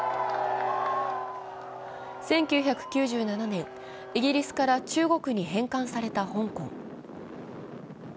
１９９７年、イギリスから中国に返還された香港。